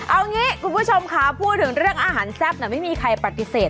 เอางี้คุณผู้ชมค่ะพูดถึงเรื่องอาหารแซ่บไม่มีใครปฏิเสธ